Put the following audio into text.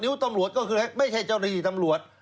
นิ้วตำรวจก็คืออะไรไม่ใช่เจ้าหรี่ตำรวจ